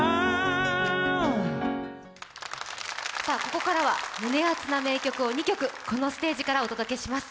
ここからは胸熱な名曲を２曲このステージからお届けします。